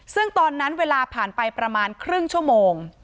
ซึ่งตอนนั้นเวลาผ่านไปประมาณครึ่งชั่วโมง